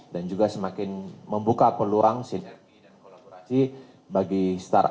dan juga semakin membuka peluang sinergi dan kolaborasi bagi startup